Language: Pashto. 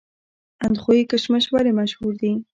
اندخوی کشمش ولې مشهور دي؟